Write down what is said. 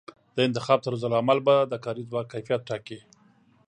د انتخاب طرزالعمل به د کاري ځواک کیفیت ټاکي.